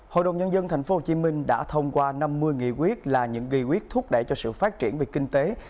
hội đồng nhân dân tp hcm đã thông qua năm mươi nghị quyết là những nghị quyết thúc đẩy cho sự phát triển về kinh tế